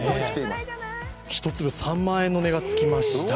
一粒３万円の値がつきました。